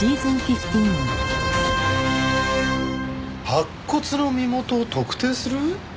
白骨の身元を特定する？